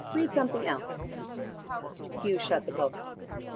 Read something else." Hugh shut the book.